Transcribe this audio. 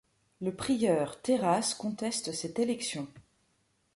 Le prieur Terrasse conteste cette élection.